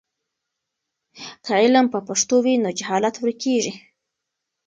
که علم په پښتو وي نو جهالت ورکېږي.